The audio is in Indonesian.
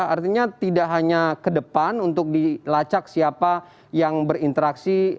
artinya tidak hanya ke depan untuk dilacak siapa yang berinteraksi